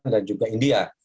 dan juga india